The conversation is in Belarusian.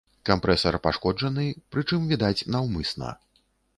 Кампрэсар пашкоджаны, прычым, відаць, наўмысна.